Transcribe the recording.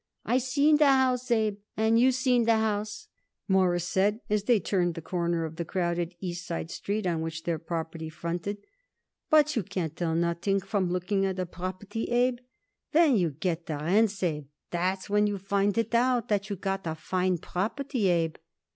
"I seen the house, Abe, and you seen the house," Morris said as they turned the corner of the crowded East Side street on which their property fronted, "but you can't tell nothing from looking at a property, Abe. When you get the rents, Abe, that's when you find it out that you got a fine property, Abe."